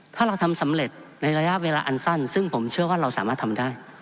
ถ้าเราทำสำเร็จในระยะเวลาอันสั้นซึ่งผมเชื่อว่าเราสามารถทำได้